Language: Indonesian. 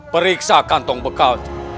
periksa kantong bekal itu